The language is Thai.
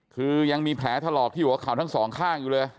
คือยังมีแผลถลอกที่หัวเข่าทั้งสองข้างอยู่เลย